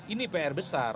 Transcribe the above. ini pr besar